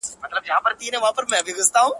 نه به په موړ سې نه به وتړې بارونه!!